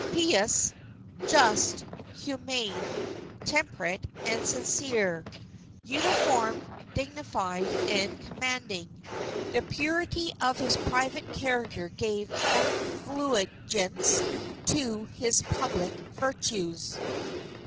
pious, just, humane, temperate and sincere, uniform, dignified and commanding ... the purity of his private character gave effulgence to his public virtues."